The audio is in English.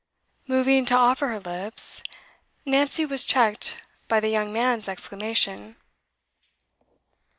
Moving to offer her lips, Nancy was checked by the young man's exclamation.